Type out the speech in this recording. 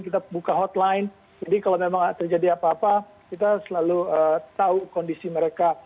kita buka hotline jadi kalau memang terjadi apa apa kita selalu tahu kondisi mereka